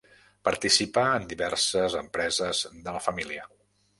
Participà en diverses empreses de la família.